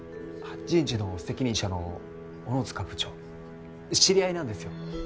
人事の責任者の小野塚部長知り合いなんですよ。